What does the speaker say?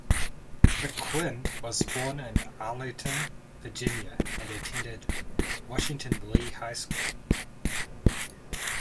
McQuinn was born in Arlington, Virginia and attended Washington-Lee High School.